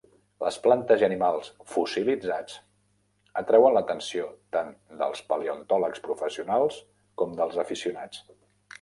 Les plantes i animals fossilitzats atreuen l'atenció tant dels paleontòlegs professionals com dels aficionats.